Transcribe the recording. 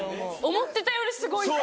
・思ってたよりすごいです。